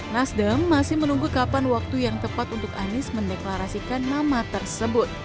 nasdem masih menunggu kapan waktu yang tepat untuk anies mendeklarasikan nama tersebut